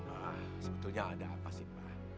ah sebetulnya ada apa sih pak